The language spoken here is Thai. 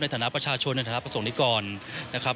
ฐานะประชาชนในฐานะประสงค์นิกรนะครับ